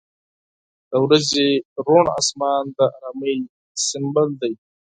• د ورځې روڼ آسمان د آرامۍ سمبول دی.